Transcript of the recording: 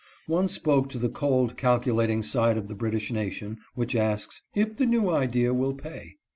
One spoke to the cold, calculating side of the British nation, which asks " if the new idea will pay